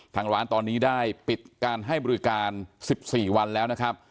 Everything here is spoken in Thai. ทางร้านตอนนี้ได้ปิดการให้บริการ๑๔วันแล้วนะครับ